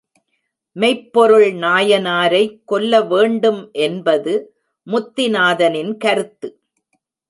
மெய்ப்பொருள் நாயனாரை கொல்ல வேண்டும் என்பது முத்திநாதனின் கருத்து.